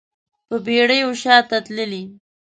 په پیړیو شاته تللی